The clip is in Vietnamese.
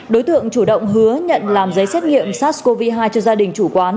đối tượng chủ động hứa nhận làm giấy xét nghiệm sars cov hai cho gia đình chủ quán